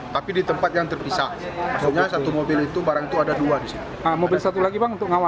tapi di tempat yang terpisah satu mobil itu barang itu ada dua disitu